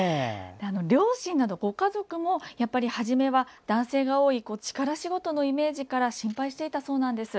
両親など家族もはじめは男性が多い力仕事のイメージから心配していたそうです。